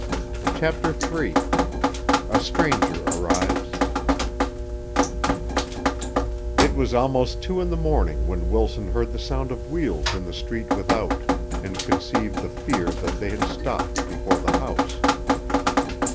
CHAPTER III A Stranger Arrives It was almost two in the morning when Wilson heard the sound of wheels in the street without, and conceived the fear that they had stopped before the house.